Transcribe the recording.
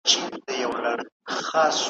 زما له تندي زما له قسمته به خزان وي تللی `